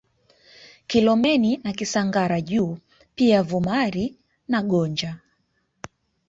Kilomeni na Kisangara juu pia Vumari na Gonja